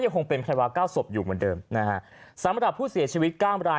อย่างคงเป็นแพลวาเก้าสวบอยู่เหมือนเดิมสำหรับผู้เสียชีวิตก้ามราย